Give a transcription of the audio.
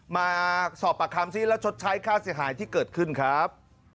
มาสอบปากคำซิแล้วชดใช้ค่าเสียหายที่เกิดขึ้นครับ